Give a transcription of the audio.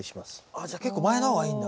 あじゃあ結構前の方がいいんだ。